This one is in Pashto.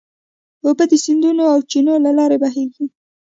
اوبه د سیندونو او چینو له لارې بهېږي.